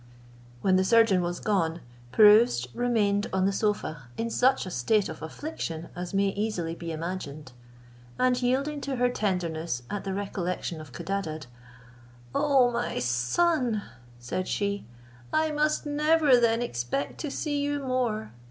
When the surgeon was gone, Pirouzč remained on the sofa, in such a state of affliction as may easily be imagined; and yielding to her tenderness at the recollection of Codadad, "O my son," said she, "I must never then expect to see you more!